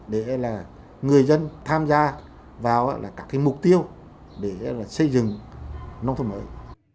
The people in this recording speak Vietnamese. để là người dân tham gia vào các mục tiêu để xây dựng nông thôn mới